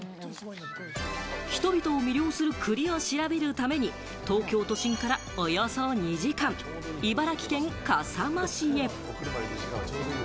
人々を魅了する栗を調べるために東京都心からおよそ２時間、茨城県笠間市へ。